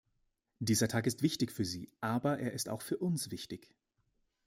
Dieser Tag ist wichtig für Sie, aber er ist auch für uns wichtig.